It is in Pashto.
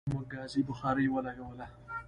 موږ ګازی بخاری ولګوله